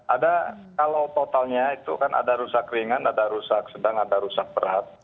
ada kalau totalnya itu kan ada rusak ringan ada rusak sedang ada rusak berat